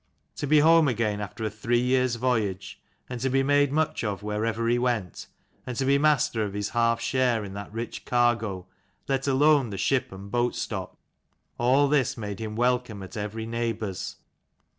To be home again after a three years' voyage, and to be made much of wherever he went, and to be master of his half share in that rich cargo, let alone the ship and boat stock, all this made him welcome at every neighbour's.